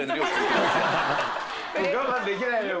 我慢できないのよ